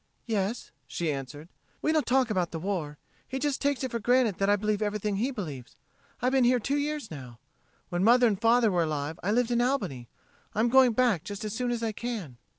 "Yes," she answered. "We don't talk about the war. He just takes it for granted that I believe everything he believes. I've been here two years now. When mother and father were alive I lived in Albany. I'm going back just as soon as I can.